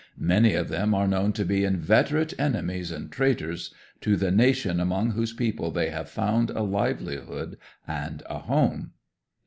Many of them are known to be inveterate Enemies and Traitors to the nation among whose people they have found a livelihood and a home."